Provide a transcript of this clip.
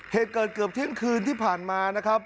เหตุเกิดเกือบเที่ยงคืนที่ผ่านมานะครับ